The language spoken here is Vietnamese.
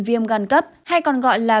viêm gan cấp hay còn gọi là